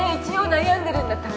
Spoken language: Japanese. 一応悩んでるんだ？